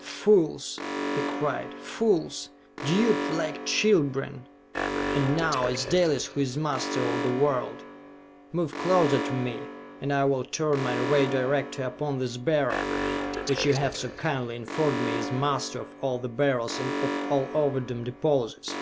"Fools!" he cried. "Fools! Duped like children! And now it is Dalis who is master of the world! Move closer to me, and I will turn my Ray Director upon this Beryl, which you have so kindly informed me is master of all the Beryls and of all Ovidum deposits!